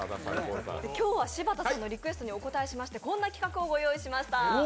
今日は柴田さんのリクエストにお応えしましてこんな企画をご用意いたしました。